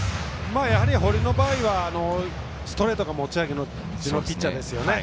堀の場合はストレートが持ち味のピッチャーですよね。